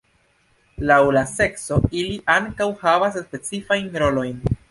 Laŭ la sekso, ili ankaŭ havas specifajn rolojn.